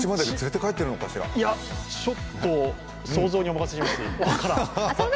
ちょっと想像にお任せします、分からん。